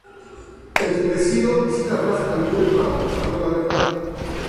Enfurecido, visita a Ra's al Ghul para saber la verdad.